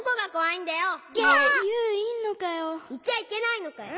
いちゃいけないのかよ。